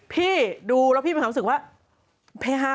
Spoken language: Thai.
พี่ดูแล้วพี่มีความรู้สึกว่าเฮฮา